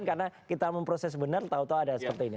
karena kita memproses benar tau tau ada seperti ini